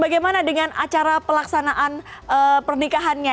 bagaimana dengan acara pelaksanaan pernikahannya